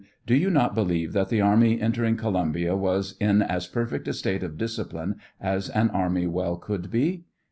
Do you not believe that the army entering Co lumbia was in as perfect a state of discipline as an army well could be